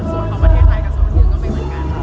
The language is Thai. ส่วนของประเทศไทยกับส่วนที่อื่นก็ไม่เหมือนกัน